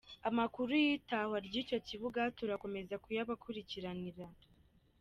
Amakuru y’itahwa ry’icyo kibuga turakomeza kuyabakurikiranira.